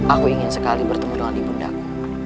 aku ingin sekali bertemu dengan ibu undaku